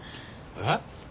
えっ？